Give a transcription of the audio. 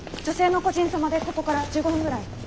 女性の故人様でここから１５分ぐらい。